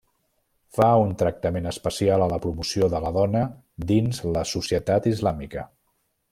Fa un tractament especial a la promoció de la dona dins la societat islàmica.